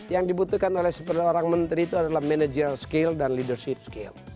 yang dibutuhkan oleh seorang menteri itu adalah manajer skill dan leadership skill